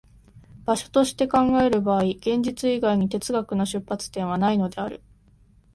場所として考える場合、現実以外に哲学の出発点はないのである。